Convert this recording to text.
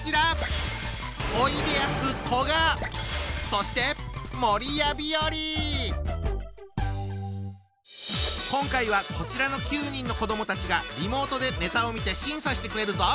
そして今回はこちらの９人の子どもたちがリモートでネタを見て審査してくれるぞ！